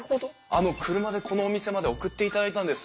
あの車でこのお店まで送っていただいたんです。